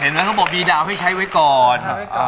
เห็นแล้วเขาบอกดีดาวให้ใช้ไว้ก่อน